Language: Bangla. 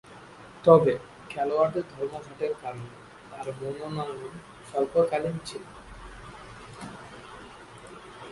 তবে, খেলোয়াড়দের ধর্মঘটের কারণে তার মনোনয়ন স্বল্পকালীন ছিল।